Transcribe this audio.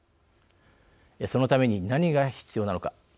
そのために何が必要なのか。